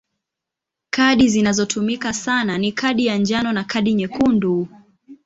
Kadi zinazotumika sana ni kadi ya njano na kadi nyekundu.